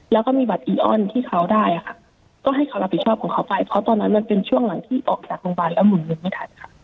แล้วก็มีบัตรอีออนที่เขาได้ค่ะก็ให้เขารับผิดชอบของเขาไปเพราะตอนนั้นมันเป็นช่วงหลังที่ออกจากโรงพยาบาลแล้วหมุนเงินไม่ทันค่ะ